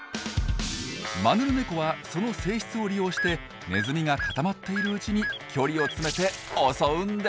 マヌルネコはその性質を利用してネズミが固まっているうちに距離を詰めて襲うんです。